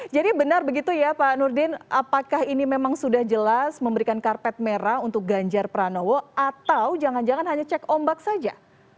jadi benar begitu ya pak nurdin apakah ini memang sudah jelas memberikan karpet merah untuk ganjar pranowo atau jangan jangan hanya cek ombak saja